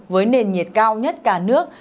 với nền nhiệt cao nhất cả nước